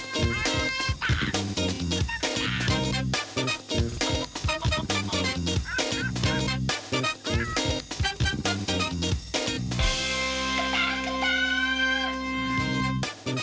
คุณต้องคุณต้อง